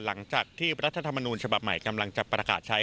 หลังจากที่รัฐธรรมนูญฉบับใหม่กำลังจะประกาศใช้